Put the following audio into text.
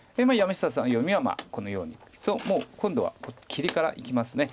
山下さんの読みはこのようにいくともう今度は切りからいきます。